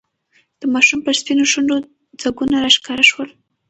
د ماشوم پر سپینو شونډو ځگونه راښکاره شول.